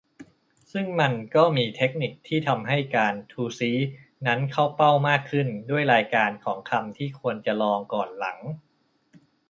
ซึ่งมันก็มีเทคนิคที่ทำให้การ "ทู่ซี้" นั้น เข้าเป้ามากขึ้น ด้วยรายการของคำที่ควรจะลองก่อนหลัง